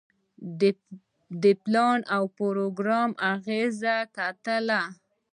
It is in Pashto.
د پلان او پروګرام اغیزې کتل.